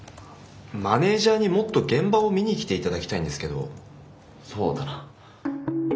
マネージャーにもっと現場を見に来て頂きたいんですけど。そうだな。